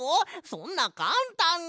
そんなかんたんに。